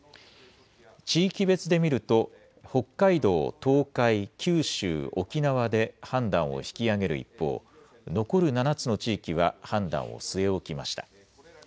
地域別で見ると北海道、東海、九州、沖縄で判断を引き上げる一方、残る７つの地域は判断を据え置きました。